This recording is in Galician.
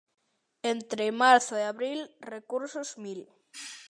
Entre marzo e abril, recursos mil.